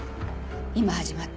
今始まった。